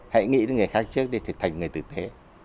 hãy nghĩ đến người khác trước để thành người thực tế